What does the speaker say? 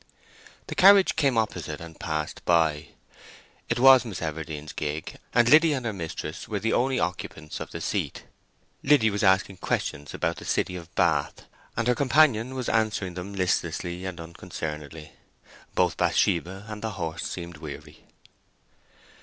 The carriage came opposite and passed by. It was Miss Everdene's gig, and Liddy and her mistress were the only occupants of the seat. Liddy was asking questions about the city of Bath, and her companion was answering them listlessly and unconcernedly. Both Bathsheba and the horse seemed weary.